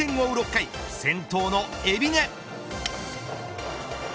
６回、先頭の海老根。